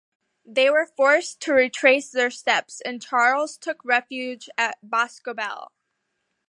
They were forced to retrace their steps and Charles took refuge at Boscobel.